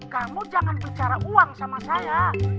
kamu jangan bicara uang sama saya